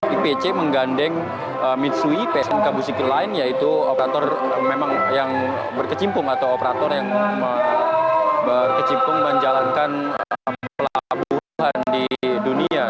ipc menggandeng mitsui pesan kabusikil lain yaitu operator yang berkecimpung atau operator yang berkecimpung menjalankan pelabuhan di dunia